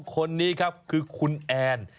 ใช่แล้วครับ